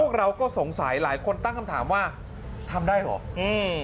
เราก็สงสัยหลายคนตั้งคำถามว่าทำได้เหรออืม